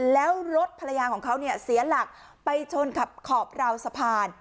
แล้วรถภรรยาของเขาเนี่ยเสียหลักไปชนกับขอบราวสะพาน